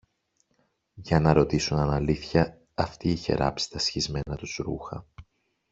για να ρωτήσουν αν αλήθεια αυτή είχε ράψει τα σχισμένα τους ρούχα